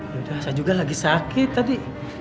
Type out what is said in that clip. sudah saya juga lagi sakit tadi